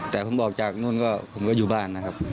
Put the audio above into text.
แต่ผมออกจากนู่นก็ผมก็อยู่บ้านนะครับ